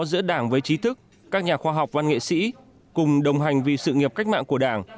giữa đảng với trí thức các nhà khoa học văn nghệ sĩ cùng đồng hành vì sự nghiệp cách mạng của đảng